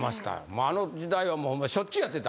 あの時代はしょっちゅうやってた。